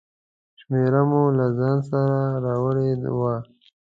شمېره مې له ځانه سره راوړې وه.